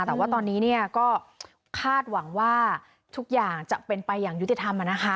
แต่ว่าตอนนี้ก็คาดหวังว่าทุกอย่างจะเป็นไปอย่างยุติธรรม